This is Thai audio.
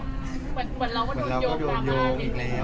เหมือนเราก็โดนโยงแล้ว